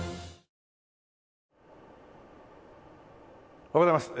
おはようございます。